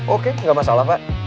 oke gak masalah pak